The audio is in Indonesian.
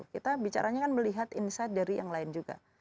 kita bicaranya kan melihat insight dari yang lain juga